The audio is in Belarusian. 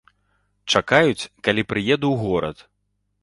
Чакаюць, калі прыеду ў горад.